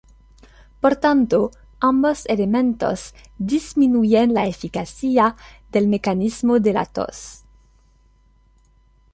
Por tanto, ambos elementos disminuyen la eficacia del mecanismo de la tos.